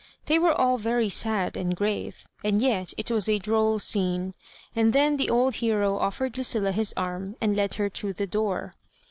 They were all very sad and grave, and yet it was a droU scene ; and then the old hero offered Lucilla his arm, and led her to the door.